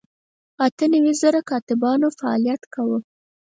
اته نوي زره کاتبانو فعالیت کاوه.